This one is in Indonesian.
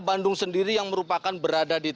bandung sendiri yang merupakan berada di